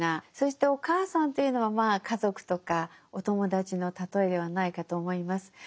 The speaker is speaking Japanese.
そしてお母さんというのはまあ家族とかお友達の喩えではないかと思います。